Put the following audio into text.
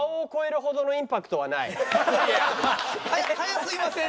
いや早すぎません？